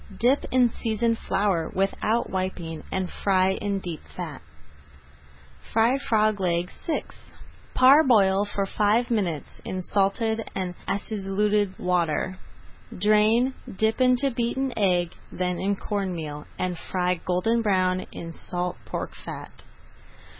Dip in seasoned flour without wiping and fry in deep fat. FRIED FROG LEGS VI Parboil for five minutes in salted and acidulated water. Drain, dip into beaten egg, then in corn meal, and fry golden brown in salt pork fat.